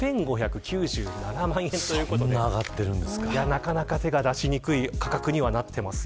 なかなか手が出しにくい価格にはなっています。